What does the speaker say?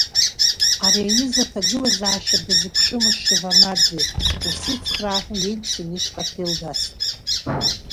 Ари аҩыза аҭагылазаашьа дазыԥшымызт Шеварднаӡе усыцхраа ҳәа Ельцин ишҟа аҭел даст.